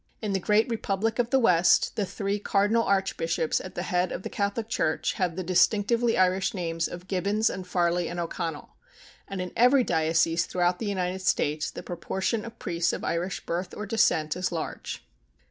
In the great Republic of the West the three cardinal archbishops at the head of the Catholic Church have the distinctively Irish names of Gibbons and Farley and O'Connell; and in every diocese throughout the United States the proportion of priests of Irish birth or descent is large.